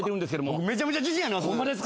僕めちゃめちゃ自信あります。